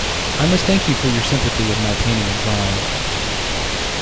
I must thank you for your sympathy with my painting and drawing.